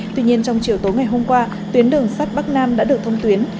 tuy nhiên trong chiều tối ngày hôm qua tuyến đường sắt bắc nam đã được thông tuyến